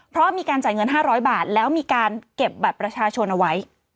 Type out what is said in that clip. เพราะมีการจ่ายเงิน๕๐๐บาทแล้วมีการเก็บบัตรประชาชนเอาไว้